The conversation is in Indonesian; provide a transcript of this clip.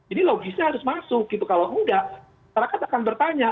ini logisnya harus masuk gitu kalau enggak masyarakat akan bertanya